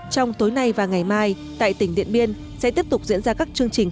trong tối nay và ngày mai tại tỉnh điện biên sẽ tiếp tục diễn ra các chương trình